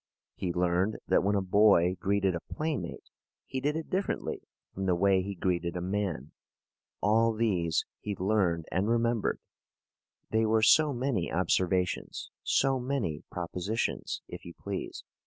He learned that when a boy greeted a playmate he did it differently from the way he greeted a man. All these he learned and remembered. They were so many observations so many propositions, if you please.